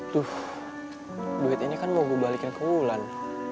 tuh duit ini kan mau gue balikin ke wulan